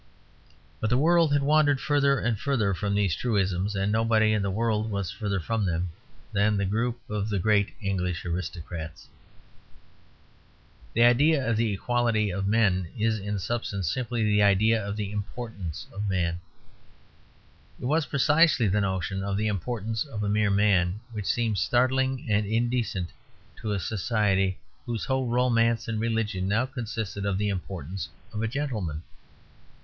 But the world had wandered further and further from these truisms, and nobody in the world was further from them than the group of the great English aristocrats. The idea of the equality of men is in substance simply the idea of the importance of man. But it was precisely the notion of the importance of a mere man which seemed startling and indecent to a society whose whole romance and religion now consisted of the importance of a gentleman.